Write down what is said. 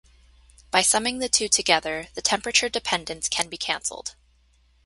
By summing the two together, the temperature dependence can be canceled.